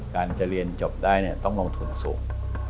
การจะเรียนจบได้ต้องลงทุนสูง